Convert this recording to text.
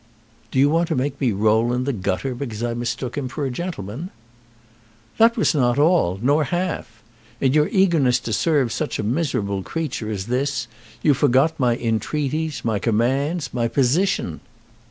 "Do you want to make me roll in the gutter because I mistook him for a gentleman?" "That was not all, nor half. In your eagerness to serve such a miserable creature as this you forgot my entreaties, my commands, my position!